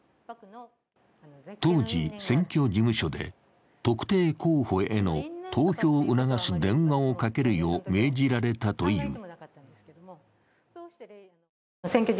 当時、選挙事務所で特定候補への投票を促す電話をかけるよう命じられたという。